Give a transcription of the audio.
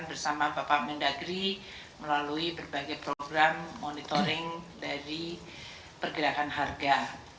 bersama bapak mendagri melalui berbagai program monitoring dari pergerakan harga